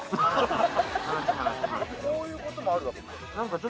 こういうことがあるわけでしょ？